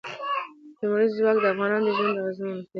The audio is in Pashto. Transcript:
لمریز ځواک د افغانانو ژوند اغېزمن کوي.